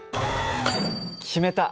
決めた！